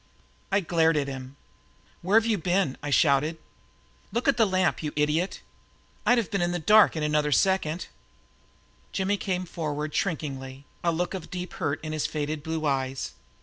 I glared at him. "Where've you been?" I shouted. "Look at that lamp, you idiot! I'd have been in the dark in another second." Jimmy came forward shrinkingly, a look of deep hurt in his faded blue eyes.